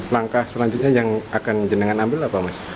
langkah selanjutnya yang akan jenangan ambil apa mas